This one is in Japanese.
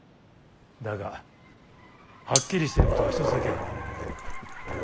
だがはっきりしてることが一つだけある。